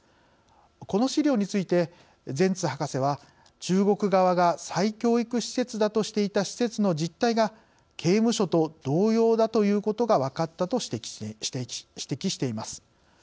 この資料についてゼンツ博士は中国側が再教育施設だとしていた施設の実態が刑務所と同様だということが分かったと指摘しています。